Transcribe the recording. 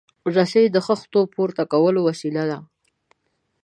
رسۍ د خښتو پورته کولو وسیله ده.